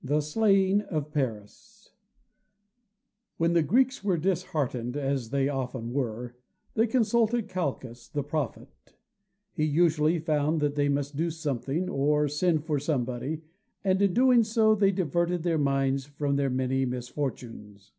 THE SLAYING OF PARIS When the Greeks were disheartened, as they often were, they consulted Calchas the prophet. He usually found that they must do something, or send for somebody, and in doing so they diverted their minds from their many misfortunes.